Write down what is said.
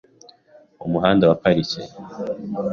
Umuhanda wa Parike .